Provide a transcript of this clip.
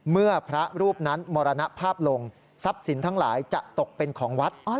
เมื่อพระรูปนั้นมรณภาพลงทรัพย์สินทั้งหลายจะตกเป็นของวัด